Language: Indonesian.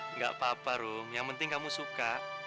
enggak apa apa rum yang penting kamu suka